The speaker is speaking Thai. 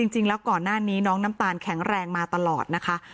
จริงแล้วก่อนหน้านี้น้องน้ำตาลแข็งแรงมาตลอดนะคะ